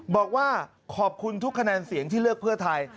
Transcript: บอกว่าขอบคุณทุกคะแนนเสียงที่เลือกเพื่อไทย